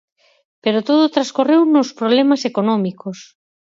Pero todo transcorreu nos problemas económicos.